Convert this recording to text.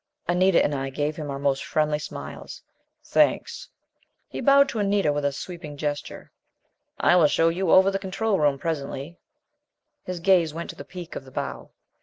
Anita and I gave him our most friendly smiles. "Thanks." He bowed to Anita with a sweeping gesture. "I will show you over the control room presently." His gaze went to the peak of the bow.